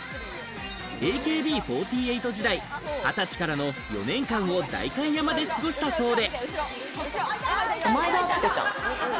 ＡＫＢ４８時代、２０歳からの４年間を代官山で過ごしたそうで。